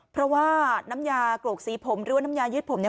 เพราะว่าน้ำยาโกรกสีผมหรือว่าน้ำยายืดผมเนี่ย